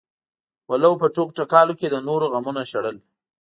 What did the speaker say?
ولو په ټوکو ټکالو کې د نورو غمونه شړل.